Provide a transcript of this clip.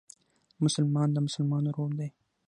مسلمان د مسلمان ورور دئ.